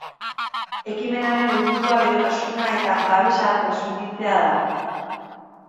Ekimenaren helburua berotasuna eta babesa transmititzea da.